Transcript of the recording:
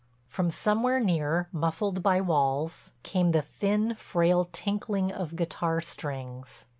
From somewhere near, muffled by walls, came the thin, frail tinkling of guitar strings.